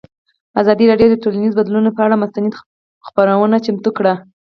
ازادي راډیو د ټولنیز بدلون پر اړه مستند خپرونه چمتو کړې.